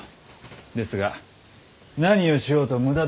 ですが何をしようと無駄ですよ。